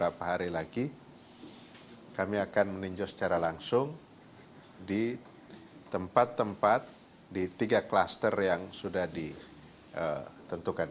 dan beberapa hari lagi kami akan meninjau secara langsung di tempat tempat di tiga kluster yang sudah ditentukan